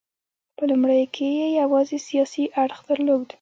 په لومړیو کې یې یوازې سیاسي اړخ درلود.